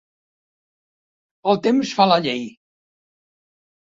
El temps fa la llei.